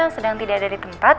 sedang tidak ada di tempat